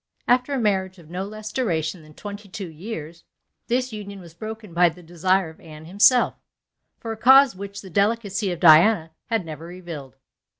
After a marriage of no less duration than twenty two years, this union was broken by the desire of Anne himself, for a cause which the delicacy of Diana had never revealed.